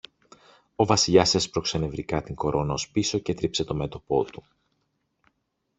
Ο Βασιλιάς έσπρωξε νευρικά την κορώνα ως πίσω κι έτριψε το μέτωπο του